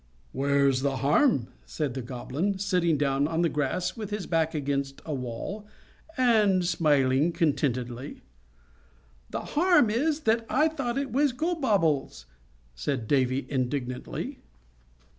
"Where's the harm?" said the Goblin, sitting down on the grass with his back against a wall and smiling contentedly. "The harm is that I thought it was Gobobbles," said Davy, indignantly.